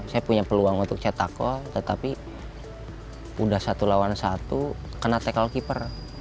saya punya peluang untuk cetako tetapi udah satu lawan satu kena tackle keeper